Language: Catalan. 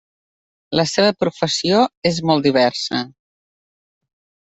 La seva professió és molt diversa.